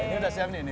ini udah siap nih